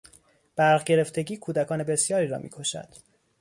برق گرفتگی کودکان بسیاری را میکشد.